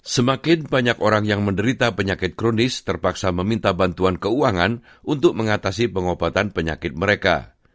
semakin banyak orang yang menderita penyakit kronis terpaksa meminta bantuan keuangan untuk mengatasi pengobatan penyakit mereka